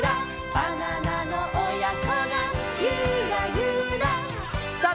「バナナのおやこがユラユラ」さあ